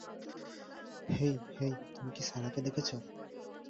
হেই, hey তুমি কি সারাকে দেখেছ?